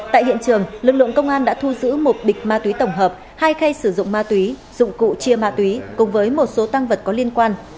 tại hiện trường lực lượng công an đã thu giữ một bịch ma túy tổng hợp hai khay sử dụng ma túy dụng cụ chia ma túy cùng với một số tăng vật có liên quan